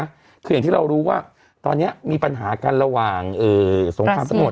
คืออย่างที่เรารู้ว่าตอนเนี้ยมีปัญหากันระหว่างเอ่อสงครามทั้งหมด